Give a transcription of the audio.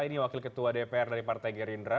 ini wakil ketua dpr dari partai gerindra